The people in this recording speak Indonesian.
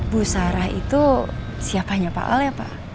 bu sarah itu siakahnya pak al ya pak